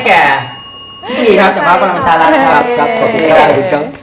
ขอบคุณครับ